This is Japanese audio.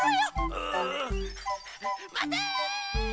まて！